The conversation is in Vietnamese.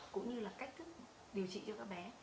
cũng như là cách thức điều trị cho các bé